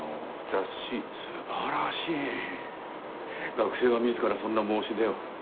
学生が自らそんな申し出を。